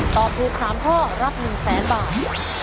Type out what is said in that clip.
ตอบถูกสามข้อรับ๑๐๐๐๐๐บาท